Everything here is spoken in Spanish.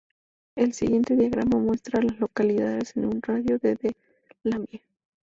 El siguiente diagrama muestra a las localidades en un radio de de Laramie.